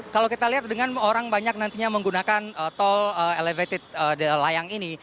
kalau kita lihat dengan orang banyak nantinya menggunakan tol elevated layang ini